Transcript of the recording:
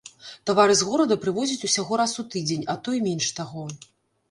Тавары з горада прывозяць усяго раз у тыдзень, а то й менш таго.